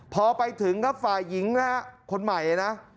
พอไปถึงครับฝ่ายหญิงนะฮะคนใหม่นะ